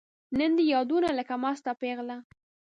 نن دي یادونو لکه مسته پیغله